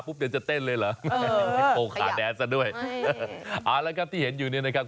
ปุ๊บเดี๋ยวจะเต้นเลยเหรอโอ้ขาแดนซ่ะด้วยอ่าแล้วครับที่เห็นอยู่เนี้ยนะครับ